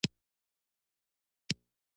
خټکی پوخ شو، خټکي پاخه شول